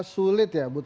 sulit ya but